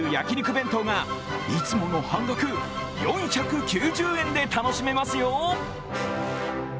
弁当がいつもの半額４９０円で楽しめますよ。